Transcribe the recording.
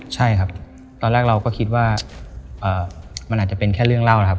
ใช่ครับตอนแรกเราก็คิดว่ามันอาจจะเป็นแค่เรื่องเล่านะครับ